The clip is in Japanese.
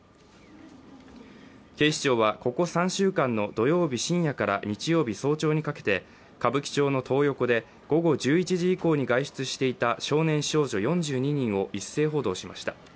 警視庁は、ここ３週間の土曜日深夜から日曜日早朝にかけて、歌舞伎町のトー横で午後１１時以降に外出していた少年少女４２人を一斉補導しました。